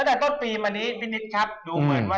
เมื่อตลาดทุนทุนของเรา